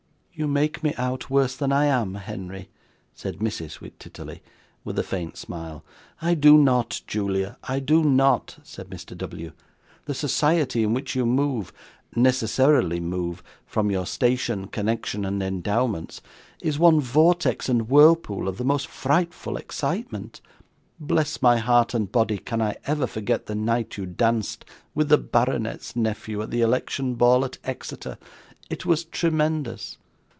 'You make me out worse than I am, Henry,' said Mrs. Wititterly, with a faint smile. 'I do not, Julia, I do not,' said Mr. W. 'The society in which you move necessarily move, from your station, connection, and endowments is one vortex and whirlpool of the most frightful excitement. Bless my heart and body, can I ever forget the night you danced with the baronet's nephew at the election ball, at Exeter! It was tremendous.